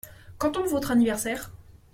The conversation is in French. Quand tombe votre anniversaire ?